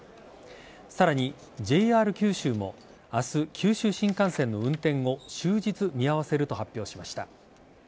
さらにＪＲ九州も明日、九州新幹線の運転を終日見合わせると発表しました。